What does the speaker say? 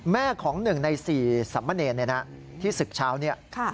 แม่ของหนึ่งใน๔สัมเมตต์ในนั้นที่ศึกเช้า